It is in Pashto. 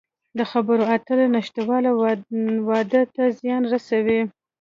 د خبرو اترو نشتوالی واده ته زیان رسوي.